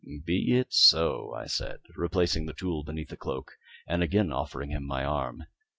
"Be it so," I said, replacing the tool beneath the cloak and again offering him my arm.